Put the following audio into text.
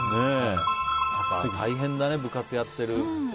大変だね、部活やってる子。